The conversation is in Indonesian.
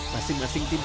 masing masing tim cek